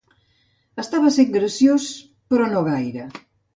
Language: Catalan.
Estava sent graciós, però no gaire.